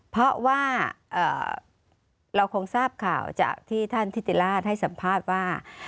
เพราะว่าเราคงทราบข่าวจากที่ท่านทิติราชให้สัมภาษณ์ว่า